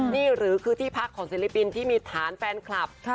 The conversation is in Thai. นี่หรือคือที่พักของศิลปินที่มีฐานแฟนคลับ